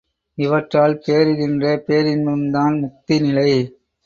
இவற்றால் பேறுகின்ற பேரின்பம் தான் முக்தி நிலை.